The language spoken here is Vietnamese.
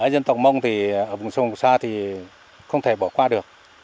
dân tộc mông thì ở vùng sông xa thì không thể bỏ qua được